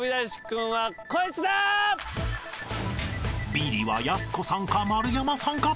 ［ビリはやす子さんか丸山さんか？］